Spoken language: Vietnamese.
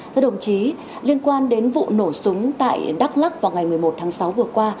các đồng chí liên quan đến vụ nổ súng tại đắk lắc vào ngày một mươi một tháng sáu vừa qua